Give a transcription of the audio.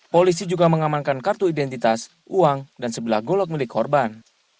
polisi juga mengamankan kartu identitas uang dan sebelah golok milik korban